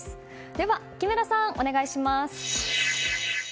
では、木村さんお願いします。